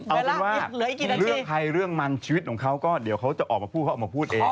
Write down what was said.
เอาเป็นว่าเรื่องใครเรื่องมันชีวิตของเขาก็เดี๋ยวเขาจะออกมาพูดเขาออกมาพูดเอง